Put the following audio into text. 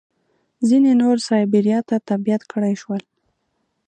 ځینې نور سایبیریا ته تبعید کړای شول